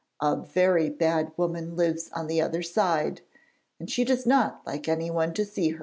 A very bad woman lives on the other side, and she does not like anyone to see her.'